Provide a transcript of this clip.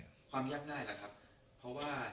ตรวจสอบการทำย่างง่ายละครับเพราะว่าเห็นว่าเบิ้ลก็เนี่ย